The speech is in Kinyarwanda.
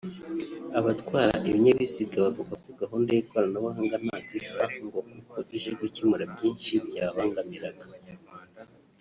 Abatwara ibinyabiziga bavuga ko gahunda y’ikoranabuhanga ntako isa ngo kuko ije gukemura byinshi byababangamiraga